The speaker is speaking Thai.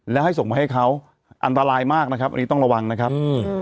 แล้วให้ส่งมาให้เขาอันตรายมากนะครับอันนี้ต้องระวังนะครับอืม